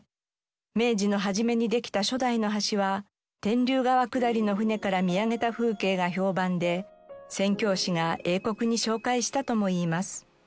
明治の初めにできた初代の橋は天竜川下りの船から見上げた風景が評判で宣教師が英国に紹介したともいいます。